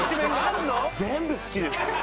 全部好きです。